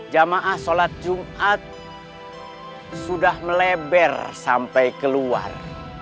jamaah sholat jumat sudah melebar sampai keluar